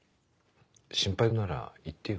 心配事なら言ってよ。